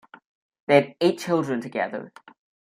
They had eight children together.